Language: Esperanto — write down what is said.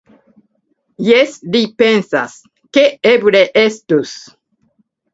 Jes, li pensas, ke eble estus.